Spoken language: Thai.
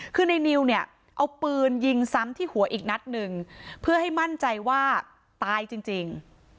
คือในนิวเนี่ยเอาปืนยิงซ้ำที่หัวอีกนัดหนึ่งเพื่อให้มั่นใจว่าตายจริง